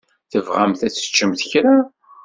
Tebɣamt ad teččemt kra?